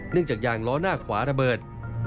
เนื่องจากยางล้อหน้าขวาระเบิด